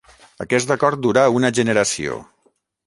Aquest acord durà una generació.